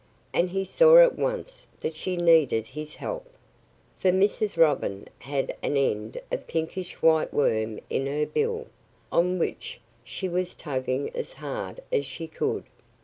And he saw at once that she needed his help. For Mrs. Robin had an end of a pinkish white worm in her bill, on which she was tugging as hard as she could.